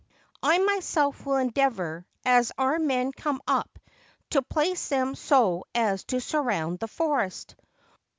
I myself will endeavour, as our men come up, to place them so as to surround the forest.'